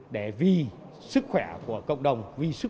để vì sức khỏe của công đồng